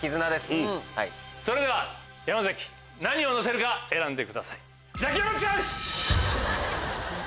それでは山崎何をのせるか選んでください。